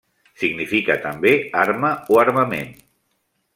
Significa també arma o armament.